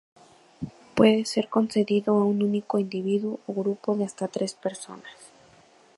Puede ser concedido a un único individuo o grupo de hasta tres personas.